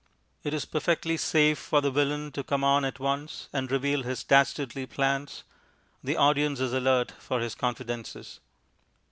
It is perfectly safe for the Villain to come on at once and reveal his dastardly plans; the audience is alert for his confidences.